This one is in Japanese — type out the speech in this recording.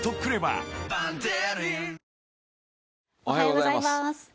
おはようございます。